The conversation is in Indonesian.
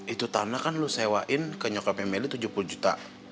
itu tanah kan lu sewain ke nyokapnya meli tujuh puluh juta